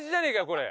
これ。